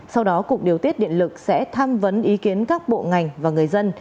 sau đó cục điều tiết điện lực sẽ tham vấn ý kiến các bộ ngành và người dân